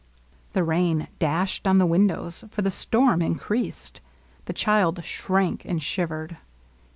The rain dashed on the wIq dows, for the storm increased; the child shrank and shivered.